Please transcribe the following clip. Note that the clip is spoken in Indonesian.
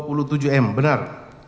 betul yang benar